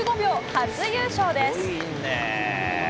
初優勝です。